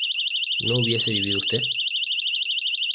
¿no hubiese vivido usted?